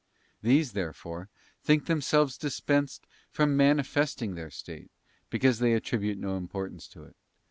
These, therefore, think themselves dispensed from manifesting their state, because they attribute no importance to it.